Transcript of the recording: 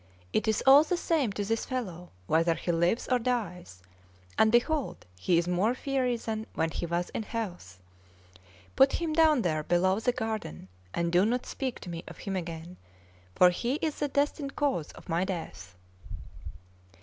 It is all the same to this fellow whether he lives or dies, and behold, he is more fiery than when he was in health. Put him down there below the garden, and do not speak to me of him again, for he is the destined cause of my death."